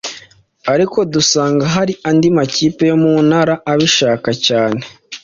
ariko dusanga hari andi makipe yo mu ntara abishaka cyane